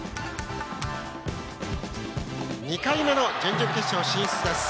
２回目の準々決勝進出です